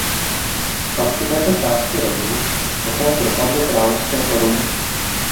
Statky této části rodu poté propadly královské koruně.